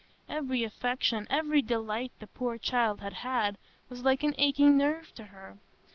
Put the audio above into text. Every affection, every delight the poor child had had, was like an aching nerve to her.